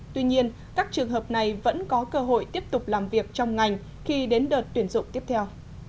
tuy nhiên các trường hợp này vẫn có cơ hội tiếp tục làm việc trong ngành khi đến đợt tuyển dụng tiếp theo